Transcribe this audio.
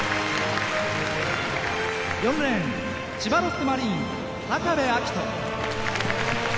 ４レーン千葉ロッテマリーンズ部瑛斗。